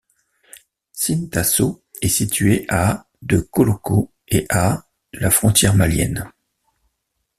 Sintasso est située à de Koloko et à de la frontière malienne.